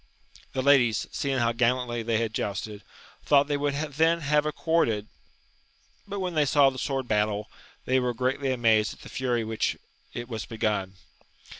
The ladies, seeing how gallantly they had jousted, thought they would then have accorded, but when they saw the sword battle, they were greatly amazed at the fury with which it was begun.